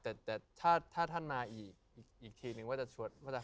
แต่ถ้าท่านมาอีกทีนึงว่าจะพาไปเจอกัน